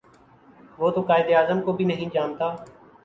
وہ تو قاہد اعظم کو بھی نہیں جانتا